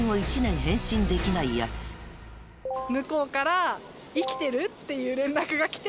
向こうから。っていう連絡が来て。